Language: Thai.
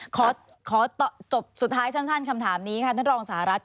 ขอจบสุดท้ายสั้นคำถามนี้ค่ะท่านรองสหรัฐ